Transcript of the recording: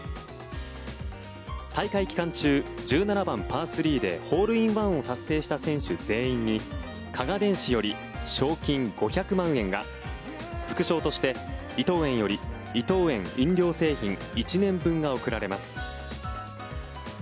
大会期間中１７番、パー３でホールインワンを達成した選手全員に加賀電子より賞金５００万円が副賞として、伊藤園より伊藤園飲料製品１年分が贈られます。